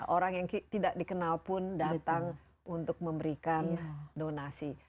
orang yang tidak dikenal pun datang untuk memberikan donasi